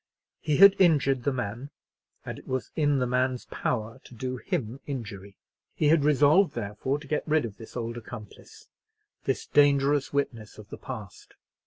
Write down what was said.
He had injured the man, and it was in the man's power to do him injury. He had resolved, therefore, to get rid of this old accomplice, this dangerous witness of the past.